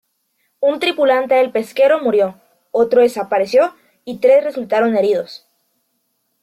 Un tripulante del pesquero murió, otro desapareció y tres resultaron heridos.